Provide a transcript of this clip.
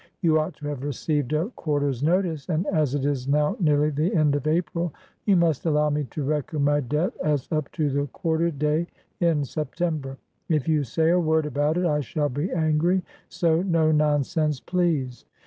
You ought to have received a quarter's notice, and, as it is now nearly the end of April, you must allow me to reckon my debt as up to the quarterday in September. If you say a word about it, I shall be angry, So no nonsense, please!"